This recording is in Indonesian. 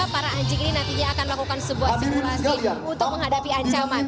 para anjing ini nantinya akan melakukan sebuah simulasi untuk menghadapi ancaman